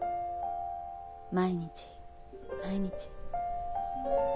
毎日毎日。